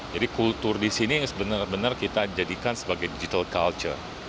jadi kultur di sini sebenarnya kita jadikan sebagai digital culture